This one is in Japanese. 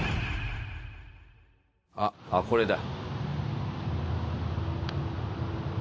あっ、これだ。